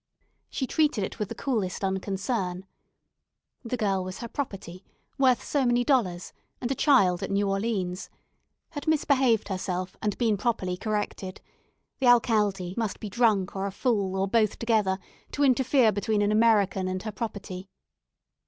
She treated it with the coolest unconcern "The girl was her property, worth so many dollars, and a child at New Orleans; had misbehaved herself, and been properly corrected. The alcalde must be drunk or a fool, or both together, to interfere between an American and her property."